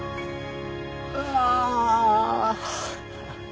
うわ。